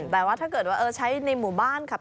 แต่ว่าถ้าเกิดว่าใช้ในหมู่บ้านขับ